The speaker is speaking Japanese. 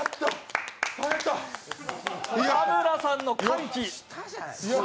田村さんの歓喜。